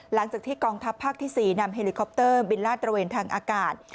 หลังจากที่กองทัพภาคที่๔นำเฮลิคอปเตอร์บินลาดตระเวนทางอากาศ